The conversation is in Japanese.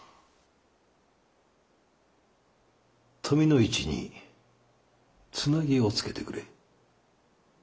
富の市につなぎをつけてくれ。